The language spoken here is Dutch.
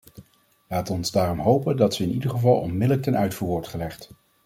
Laat ons daarom hopen dat ze in ieder geval onmiddellijk ten uitvoer wordt gelegd.